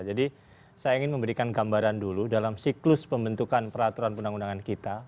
jadi saya ingin memberikan gambaran dulu dalam siklus pembentukan peraturan undang undangan kita